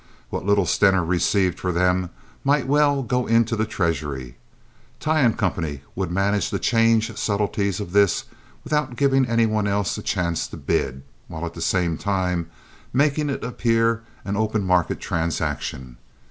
What little Stener received for them might well go into the treasury. Tighe & Co. would manage the "'change" subtleties of this without giving any one else a chance to bid, while at the same time making it appear an open market transaction.